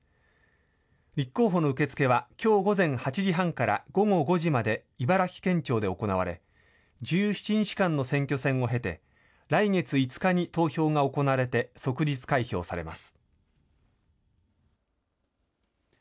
立候補の受け付けはきょう午前８時半から午後５時まで茨城県庁で行われ、１７日間の選挙戦を経て、来月５日に投票が行われて即日開票されます。